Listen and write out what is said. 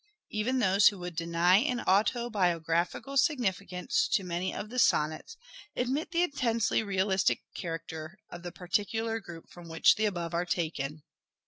Even those who would deny an autobio graphical significance to many of the sonnets admit the intensely realistic character of the particular group from which the above are taken.